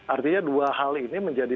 artinya dua hal ini menjadi